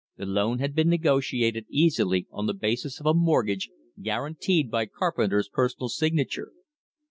The loan had been negotiated easily on the basis of a mortgage guaranteed by Carpenter's personal signature.